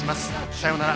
さようなら。